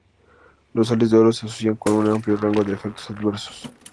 Las sales de oro se asocian con un amplio rango de efectos adversos.